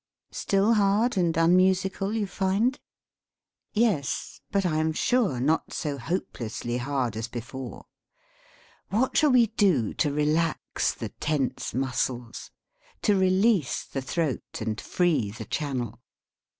Still hard and unmusical you find? Yes, but I am sure not so hopelessly hard as before. What shall we do to relax the tense muscles, to release the throat and free the channel